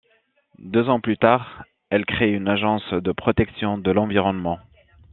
Deux ans plus tard, elle crée une agence de protection de l’environnement.